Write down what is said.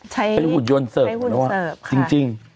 ใช้หุ่นเสิร์ฟจริง